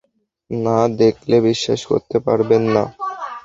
না দেখলে বিশ্বাস করতে পারবেন না।